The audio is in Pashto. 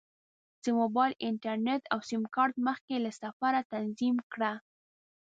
د موبایل انټرنیټ او سیم کارت مخکې له سفره تنظیم کړه.